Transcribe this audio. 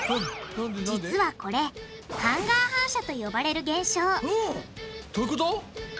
実はこれ「ハンガー反射」と呼ばれる現象どういうこと？